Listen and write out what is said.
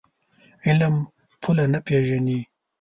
علم پوله نه پېژني.